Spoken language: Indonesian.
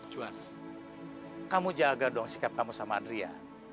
juan kamu jaga dong sikap kamu sama adria